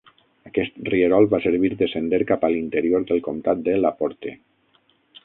Aquest rierol va servir de sender cap a l'interior del comtat de LaPorte.